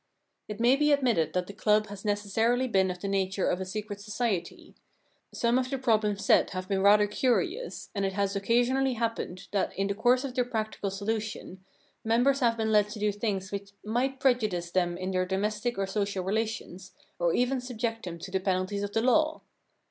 It may be admitted that the club has necessarily been of the nature of a secret society. Some of the problems set have been rather curious: , and it has occasionally happened that in the course of their practical solution members have been led to do things which might prejudice them in their domestic or social relations, or even subject them to the penalties of the law.